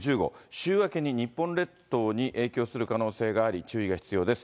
週明けに日本列島に影響する可能性があり、注意が必要です。